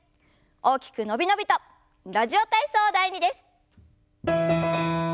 大きく伸び伸びと「ラジオ体操第２」です。